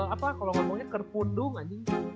apa kalau ngomongnya kerpundung anjing